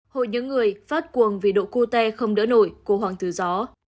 hội những người phát cuồng vì độ cô te không đỡ nổi của hoàng tử gió